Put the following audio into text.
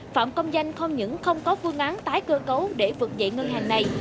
phạm công danh không những không có phương án tái cơ cấu để vực dậy ngân hàng này